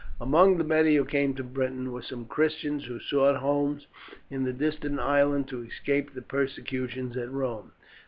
Among the many who came to Britain, were some Christians who sought homes in the distant island to escape the persecutions at Rome.